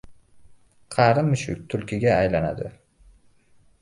• Qari mushuk tulkiga aylanadi.